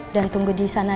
dan tunggu di sana aja